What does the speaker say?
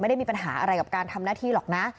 ไม่ได้มีปัญหาอะไรกับการทำหน้าที่หรอกนะ